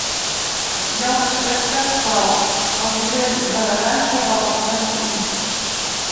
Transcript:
Hi ha un aspecte clau: el nivell de detall sobre el referèndum.